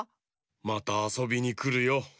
またあそびにくるよ。